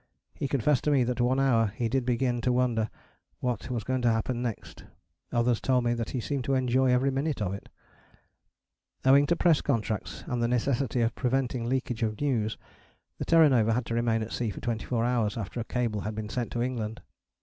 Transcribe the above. He confessed to me that one hour he did begin to wonder what was going to happen next: others told me that he seemed to enjoy every minute of it all. Owing to press contracts and the necessity of preventing leakage of news the Terra Nova had to remain at sea for twenty four hours after a cable had been sent to England.